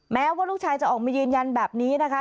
แม้ว่าลูกชายจะออกมายืนยันแบบนี้นะคะ